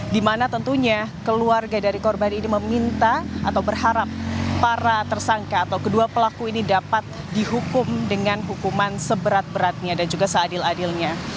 di mana tentunya keluarga dari korban ini meminta atau berharap para tersangka atau kedua pelaku ini dapat dihukum dengan hukuman seberat beratnya dan juga seadil adilnya